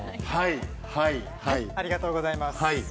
ありがとうございます。